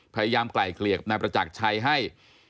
พยายามไกล่เกลียดนายประจักรชัยให้